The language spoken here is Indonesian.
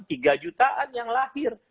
tiga jutaan yang lahir